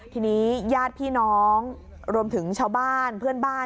ทีนี้ญาติพี่น้องรวมถึงชาวบ้านเพื่อนบ้าน